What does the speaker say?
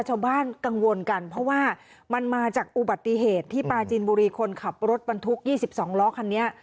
ชาวบ้านกังวลกันเพราะว่ามันมาจากอุบัติเหตุที่ปลาจีนบุรีคนขับรถบรรทุก๒๒ล้อคันนี้